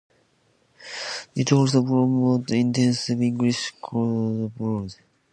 It also promotes intensive English courses abroad.